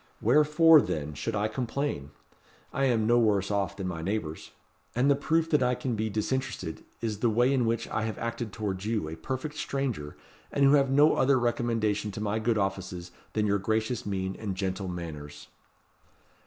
Wherefore, then, should I complain? I am no worse off than my neighbours. And the proof that I can be disinterested is the way in which I have acted towards you, a perfect stranger, and who have no other recommendation to my good offices than your gracious mien and gentle manners."